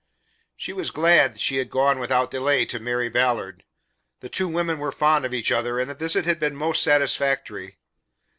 She was glad she had gone without delay to Mary Ballard. The two women were fond of each other, and the visit had been most satisfactory.